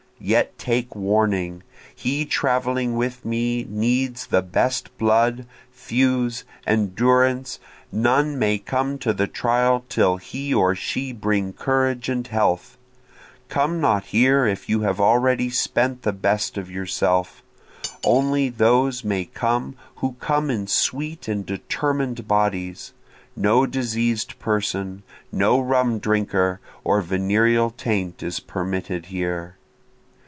yet take warning! He traveling with me needs the best blood, thews, endurance, None may come to the trial till he or she bring courage and health, Come not here if you have already spent the best of yourself, Only those may come who come in sweet and determin'd bodies, No diseas'd person, no rum drinker or venereal taint is permitted here.